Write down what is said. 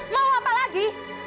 mau apa lagi